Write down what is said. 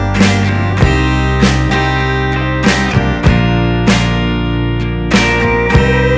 terima kasih banyak om tante